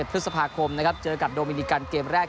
พฤษภาคมนะครับเจอกับโดมินิกันเกมแรก